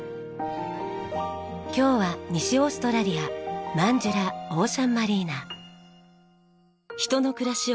今日は西オーストラリアマンジュラオーシャンマリーナ。